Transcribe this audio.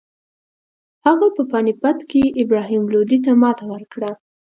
هغه په پاني پت کې ابراهیم لودي ته ماتې ورکړه.